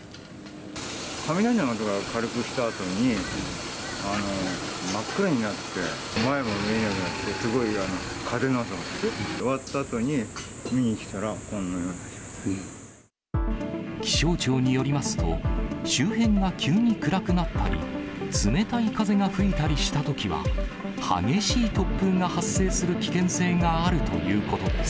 雷の音が軽くしたあとに、真っ暗になって、前も見えなくなって、すごい風の音がして、終わったあとに見に来たら、こんなような状気象庁によりますと、周辺が急に暗くなったり、冷たい風が吹いたりしたときは、激しい突風が発生する危険性があるということです。